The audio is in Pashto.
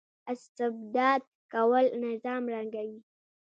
استبداد کول نظام ړنګوي